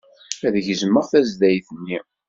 Ad gezmeɣ tazdayt-nni.